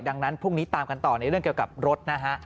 ดังนั้นพรุ่งนี้ตามกันต่อในเรื่องเกี่ยวกับรถนะฮะ